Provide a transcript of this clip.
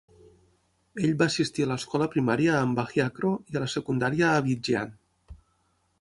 Ell va assistir a l'escola primària a M'Bahiakro i a la secundària a Abidjan.